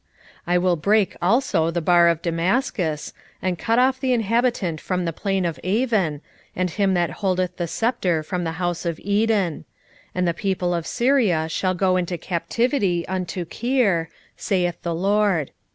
1:5 I will break also the bar of Damascus, and cut off the inhabitant from the plain of Aven, and him that holdeth the sceptre from the house of Eden: and the people of Syria shall go into captivity unto Kir, saith the LORD.